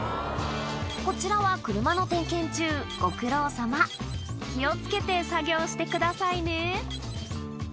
こちらは車の点検中ご苦労さま気を付けて作業してくださいね